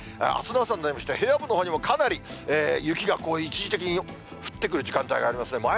あすの朝になりまして、平野部のほうにもかなり雪が一時的に降ってくる時間帯がありますね。